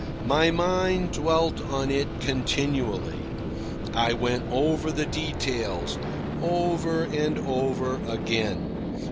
My mind dwelt on it continually. I went over the details, over and over again.